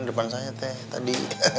depan saya teteh tadi